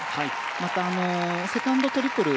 また、セカンドトリプル